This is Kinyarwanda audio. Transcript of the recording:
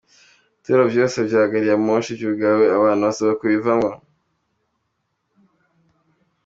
Ibituro vyose vya gariyamoshi vyugawe, abantu basabwa kubivamwo.